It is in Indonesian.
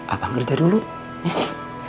abang kerja dulu neng